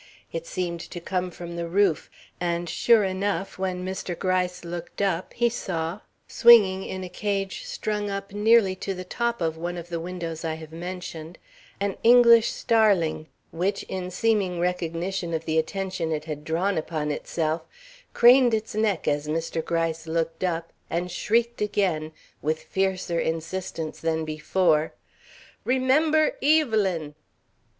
It seemed to come from the roof, and, sure enough, when Mr. Gryce looked up he saw, swinging in a cage strung up nearly to the top of one of the windows I have mentioned, an English starling, which, in seeming recognition of the attention it had drawn upon itself, craned its neck as Mr. Gryce looked up, and shrieked again, with fiercer insistence than before: "Remember Evelyn!"